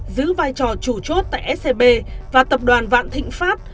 giữ vai trò chủ chốt tại scb và tập đoàn vạn thịnh pháp